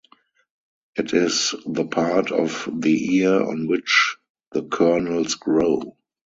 It is the part of the ear on which the kernels grow.